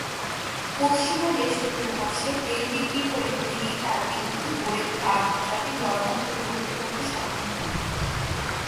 পশ্চিমা দেশগুলোর কাছে তেল বিক্রি করে তিনি তার বিরুদ্ধে গড়ে ওঠা আন্তর্জাতিক জনমত প্রতিহত করতে সক্ষম হন।